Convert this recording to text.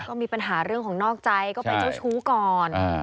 ก็มีปัญหาเรื่องของนอกใจก็ไปเจ้าชู้ก่อน